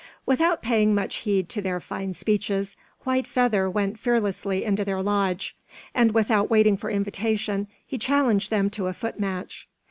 Without paying much heed to their fine speeches, White Feather went fearlessly into their lodge; and without waiting for invitation, he challenged them to a foot match.